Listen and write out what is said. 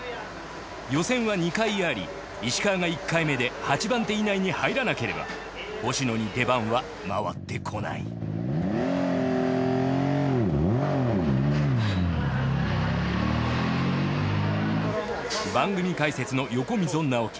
予選は２回あり石川が１回目で８番手以内に入らなければ星野に出番は回ってこない番組解説の横溝直輝。